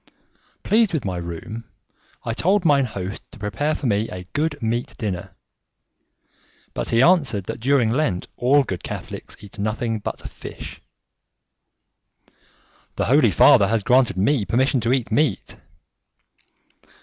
Pleased with my room, I told mine host to prepare for me a good meat dinner; but he answered that during Lent all good Catholics eat nothing but fish. "The Holy Father has granted me permission to eat meat."